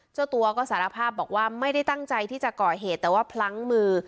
เจ้าตัวก็สารภาพบอกว่าไม่ได้ตั้งใจที่จะก่อเหตุแต่ว่าพลั้งมือ